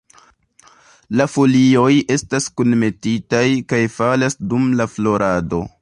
La folioj estas kunmetitaj kaj falas dum la florado.